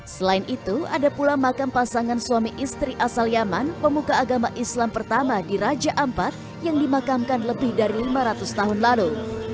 selain itu ada pula makam pasangan suami istri asal yaman pemuka agama islam pertama di raja ampat yang dimakamkan lebih dari lima ratus tahun lalu